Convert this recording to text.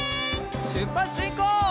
しゅっぱつしんこう！